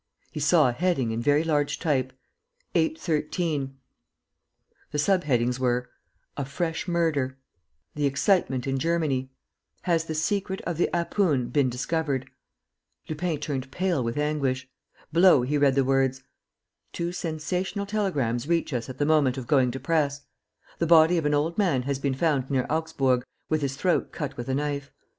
He saw a heading in very large type "813" The sub headings were: "A FRESH MURDER "THE EXCITEMENT IN GERMANY "HAS THE SECRET OF THE 'APOON' BEEN DISCOVERED?" Lupin turned pale with anguish. Below he read the words: "Two sensational telegrams reach us at the moment of going to press. "The body of an old man has been found near Augsburg, with his throat cut with a knife.